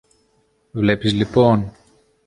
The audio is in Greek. Βλέπεις λοιπόν;